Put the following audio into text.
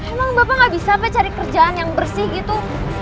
emang bapak gak bisa pak cari kerjaan yang bersih gitu